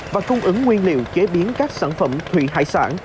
và cung ứng nguyên liệu chế biến các sản phẩm thủy hải sản